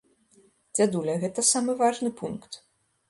Дзядуля, гэта самы важны пункт.